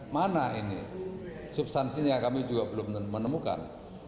mana ini substansinya kami juga belum menemukan